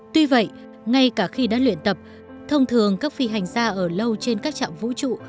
tuy vậy ngay cả khi đã luyện tập thông thường các phi hành gia ở lâu trên các trạm vũ trụ